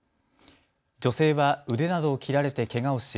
女性は腕などを切られてけがをし